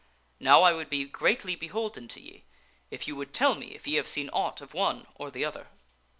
Now I would be greatly beholden to ye if you would tell me if ye have seen aught of one or the other."